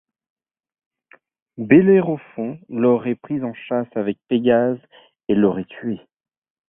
Bellérophon l'aurait pris en chasse avec Pégase et l'aurait tué.